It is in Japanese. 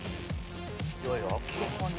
・いやいや明らかに。